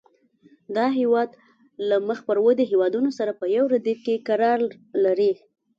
دا هېواد له مخ پر ودې هېوادونو سره په یو ردیف کې قرار لري.